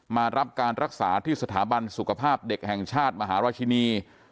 มารับการรักษาที่สถาบันสุขภาพเด็กแห่งชาติมหาราชินี